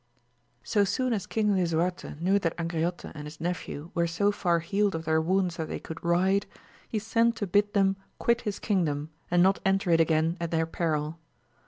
soon as King Lisuarte knew that Angriote and his nephew were so far healed of their wounds that they could ride, he sent to bid them quit his kingdom, and not enter it again at their peril.